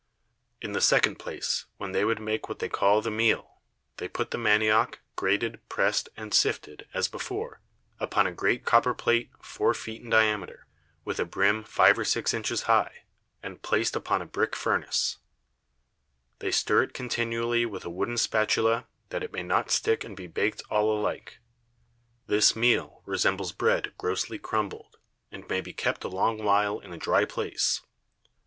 In the second place, when they would make what they call the Meal, they put the Manioc, grated, pressed, and sifted, as before, upon a great Copper Plate four Feet in diameter, with a Brim five or six Inches high, and placed upon a Brick Furnace: They stir it continually with a wooden Spatula, that it may not stick and be baked all alike. This Meal resembles Bread grosly crumbled, and may be kept a long while in a dry Place.